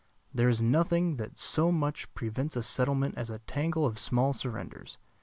There is nothing that so much prevents a settlement as a tangle of small surrenders.